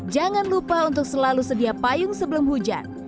jangan lupa untuk selalu sedia payung sebelum hujan